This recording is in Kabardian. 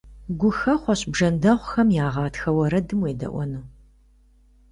Гухэхъуэщ бжэндэхъухэм я гъатхэ уэрэдым уедэӀуэну!